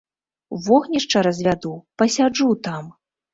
Вогнішча развяду, пасяджу там.